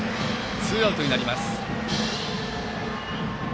ツーアウトになります。